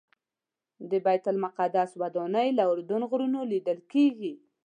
د بیت المقدس ودانۍ له اردن غرونو لیدل کېږي.